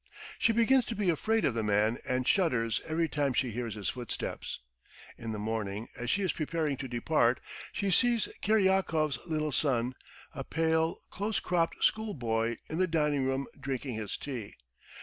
She begins to be afraid of the man and shudders every time she hears his footsteps. In the morning as she is preparing to depart she sees Kiryakov's little son, a pale, close cropped schoolboy, in the dining room drinking his tea.